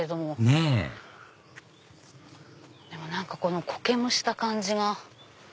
ねぇでも何かこの苔むした感じが。